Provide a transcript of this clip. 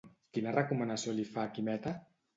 Quina recomanació li fa Quimeta?